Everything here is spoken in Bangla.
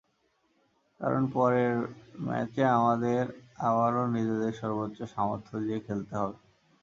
কারণ, পরের ম্যাচে আমাদের আবারও নিজেদের সর্বোচ্চ সামর্থ্য দিয়ে খেলতে হবে।